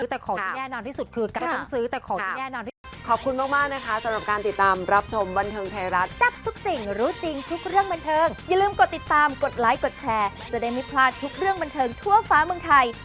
อันนี้บอกตัวเองทำงานกันด้วยเชอรี่